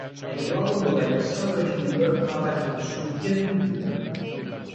È il luogo dove Alexander Huber ha aperto le sue vie più dure.